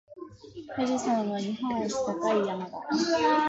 富士山は日本一高い山だ。